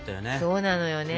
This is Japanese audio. そうなのよね。